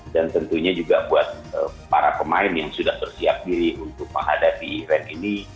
dan tentunya juga buat para pemain yang sudah bersiap diri untuk menghadapi rem ini